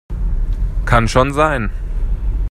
Kann schon sein.